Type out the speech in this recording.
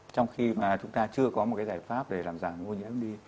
trong khi mà chúng ta chưa có một cái giải pháp để làm giảm ô nhiễm đi